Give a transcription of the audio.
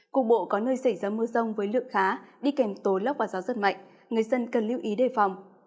cục bộ có nơi xảy ra mưa rông với lượng khá đi kèm tối lốc và gió rất mạnh người dân cần lưu ý đề phòng